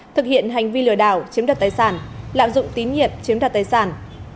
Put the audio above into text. thực hiện hành vi lừa đảo chiếm đặt tài sản lạm dụng tín nhiệm chiếm đặt tài sản